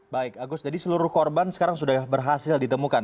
baik agus jadi seluruh korban sekarang sudah berhasil ditemukan